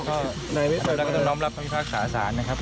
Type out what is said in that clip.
ก็ในวิทยาลัยก็ต้องร้องรับความคิดภาคสาธารณ์นะครับ